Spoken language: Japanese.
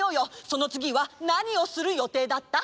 そのつぎはなにをする予定だった？